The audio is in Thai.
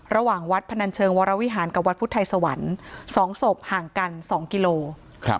ระหว่างวัดพนันเชิงวรวิหารกับวัดพุทธไทยสวรรค์สองศพห่างกันสองกิโลครับ